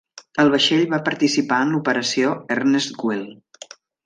El vaixell va participar en l'Operació Earnest Will.